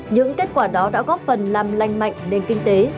những kết quả đó đã góp phần làm lanh mạnh nền kinh tế